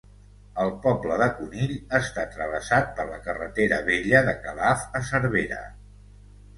El poble de Conill està travessat per la carretera vella de Calaf a Cervera.